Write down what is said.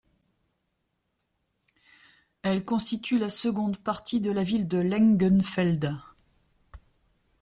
Elle constitue la seconde partie de la ville de Längenfeld.